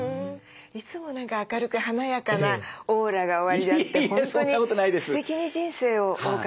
いつも何か明るく華やかなオーラがおありであって本当にすてきに人生を謳歌されていらっしゃいますよね。